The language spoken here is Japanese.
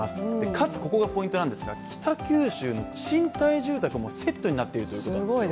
かつここがポイントなんですが、北九州の賃貸住宅もセットになっているということなんですよ。